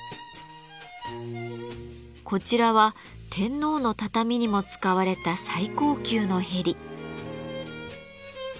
こちらは天皇の畳にも使われた最高級のへり。